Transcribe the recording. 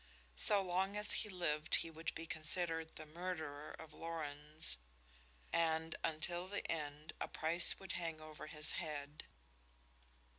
So long as he lived he would be considered the murderer of Lorenz, and until the end a price would hang over his head.